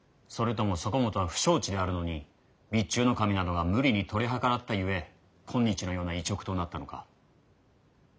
それともそこもとは不承知であるのに備中守などが無理に取り計らったゆえ今日のような違勅となったのか？